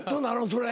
それ。